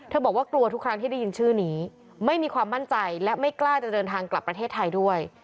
บอกว่ากลัวทุกครั้งที่ได้ยินชื่อนี้ไม่มีความมั่นใจและไม่กล้าจะเดินทางกลับประเทศไทยด้วย